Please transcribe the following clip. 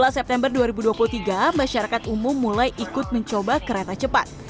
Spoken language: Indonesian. dua puluh september dua ribu dua puluh tiga masyarakat umum mulai ikut mencoba kereta cepat